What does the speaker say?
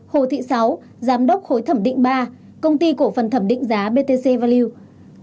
hai hồ thị sáu giám đốc hồi thẩm định ba công ty cổ phần thẩm định giá btc value